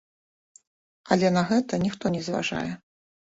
Але на гэта ніхто не зважае.